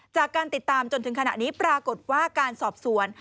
จากการติดตามจนถึงขณะนี้ปรากฏว่าการสอบสวน